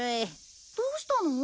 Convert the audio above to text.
どうしたの？